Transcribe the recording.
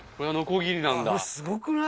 これのこぎりなんだ。